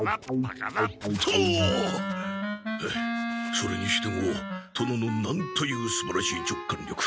それにしても殿のなんというすばらしい直感力。